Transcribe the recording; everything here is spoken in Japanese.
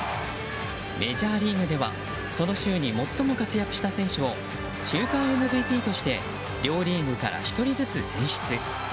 メジャーリーグではその週に最も活躍した選手を週間ＭＶＰとして両リーグから１人ずつ選出。